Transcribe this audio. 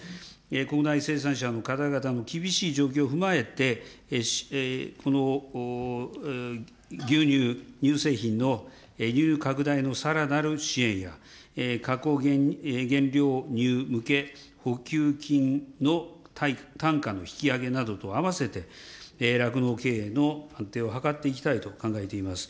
国内生産者の方々の厳しい状況を踏まえて、この牛乳、乳製品の輸入拡大のさらなる支援や、加工原料乳向け、補給金の単価の引き上げなどと合わせて、酪農経営の安定を図っていきたいと考えています。